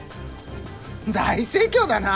大盛況だな！